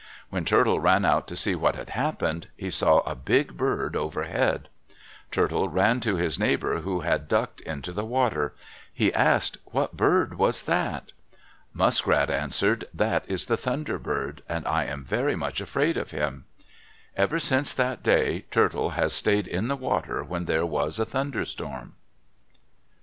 When Turtle ran out to see what had happened, he saw a big bird overhead. Turtle ran to his neighbor who had ducked into the water. He asked, "What bird was that?" Muskrat answered, "That is the Thunder Bird and I am very much afraid of him." Ever since that day Turtle has stayed in the water when there was a thunderstorm.